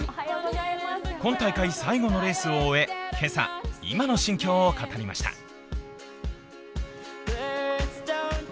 今大会最後のレースを終え、今朝、今の心境を語りました。